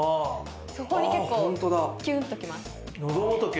そこに結構キュンときます。